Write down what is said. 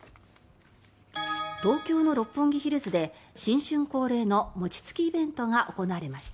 東京の六本木ヒルズで新春恒例の餅つきイベントが行われました。